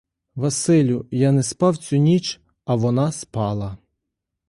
Василю, я не спав цю ніч, а вона спала.